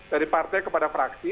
dari partai kepada fraksi